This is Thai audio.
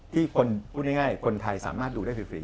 ที่คนไทยสามารถดูได้ฟรี